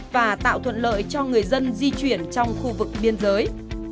và tạo thuận lợi cho người dân di chuyển trong khu vực biên giới